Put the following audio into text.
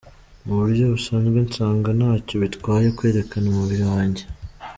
Mu buryo busanzwe, nsanga ntacyo bitwaye kwerekana umubiri wanjye.